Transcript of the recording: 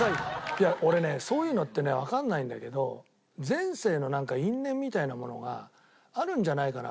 いや俺ねそういうのってねわからないんだけど前世のなんか因縁みたいなものがあるんじゃないかなと思って。